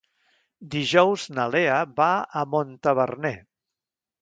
Dijous na Lea va a Montaverner.